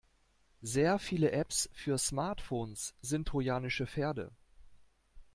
Sehr viele Apps für Smartphones sind trojanische Pferde.